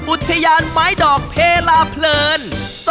๒อุทญานไม้ดอกเพราะเทหละเพลิน